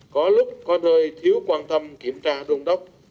có lúc có nơi thiếu quan tâm kiểm tra đôn đốc